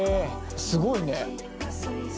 すごいね。